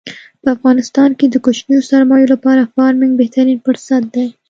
په افغانستان کې د کوچنیو سرمایو لپاره فارمنګ بهترین پرست دی.